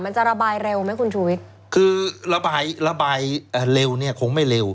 มันจะระบายเร็วไหมคุณชุวิตคือระบายระบายเร็วเนี่ยคงไม่เร็ว